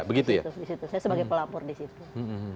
iya di situ saya sebagai pelapor di situ